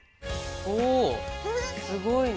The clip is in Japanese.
おすごいね！